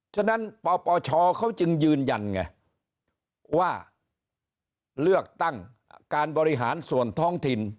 ฉะนั้นปปชเขาจึงยืนยันไงว่าเลือกตั้งการบริหารส่วนท้องถิ่น